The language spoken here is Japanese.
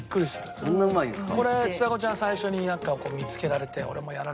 そんなうまいんですか。